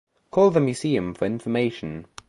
Call the museum for information.